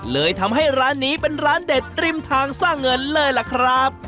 เลยทำให้ร้านนี้เป็นร้านเด็ดริมทางสร้างเงินเลยล่ะครับ